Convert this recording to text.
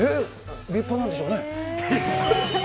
立派なんでしょうね。